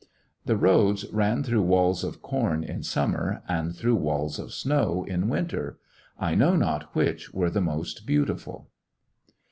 The roads ran through walls of corn in sum mer and through walls of snow in winter. I know not which were the more beautiful.